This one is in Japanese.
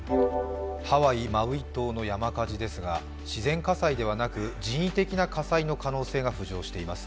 ハワイ・マウイ島の山火事ですが自然火災ではなく人為的な火災の可能性が浮上しています。